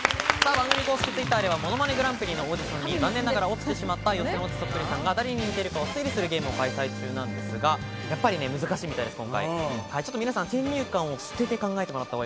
番組公式Ｔｗｉｔｔｅｒでは『ものまねグランプリ』のオーディションに残念ながら落ちてしまった予選落ちそっくりさんが、誰に似てるのかを推理するゲームを開催中なんですが、やっぱりね、難しいみたいです。